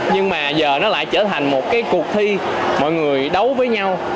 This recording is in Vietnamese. nhưng mà giờ nó lại trở thành một cái cuộc thi mọi người đấu với nhau